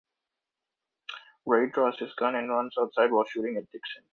Ray draws his gun and runs outside while shooting at Dixon.